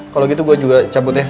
kalau gitu gue juga cabut ya